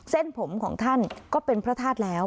เส้นผมของท่านก็เป็นพระธาตุแล้ว